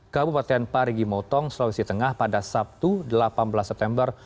kabupaten parigi motong sulawesi tengah pada sabtu delapan belas september